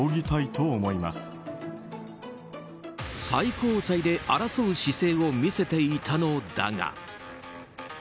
最高裁で争う姿勢を見せていたのだが。